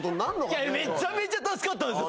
めちゃめちゃ助かったんですよ